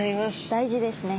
大事ですね。